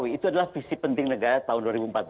itu adalah visi penting negara tahun dua ribu empat belas